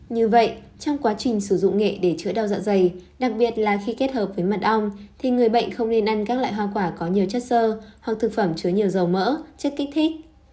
như vậy trong quá trình sử dụng nghệ để chữa đau dạ dày đặc biệt là khi kết hợp với mật ong thì người bệnh không nên ăn các loại hoa quả có nhiều chất sơ hoặc thực phẩm chứa nhiều dầu mỡ chất kích thích